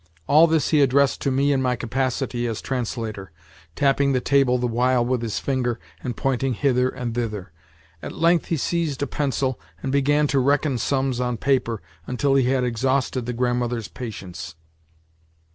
All this he addressed to me in my capacity as translator—tapping the table the while with his finger, and pointing hither and thither. At length he seized a pencil, and began to reckon sums on paper until he had exhausted the Grandmother's patience.